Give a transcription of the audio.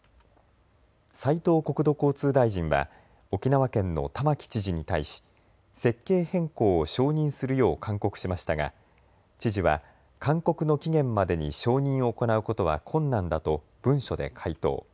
斉藤国土交通大臣は沖縄県の玉城知事に対し設計変更を承認するよう勧告しましたが知事は勧告の期限までに承認を行うことは困難だと文書で回答。